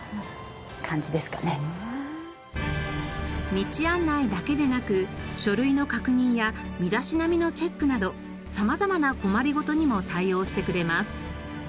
道案内だけでなく書類の確認や身だしなみのチェックなど様々な困り事にも対応してくれます。